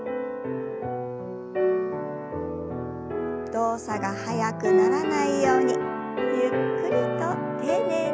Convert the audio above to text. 動作が速くならないようにゆっくりと丁寧に。